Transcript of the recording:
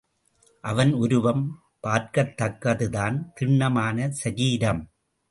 அவன் உருவம் பார்க்கத்தக்கதுதான் திண்ணமான சரீரம்.